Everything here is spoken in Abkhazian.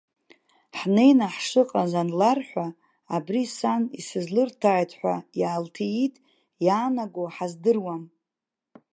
Ҳнеины ҳшыҟаз анларҳәа, абри сан исызлырҭааит ҳәа иаалҭиит, иаанаго ҳаздыруам.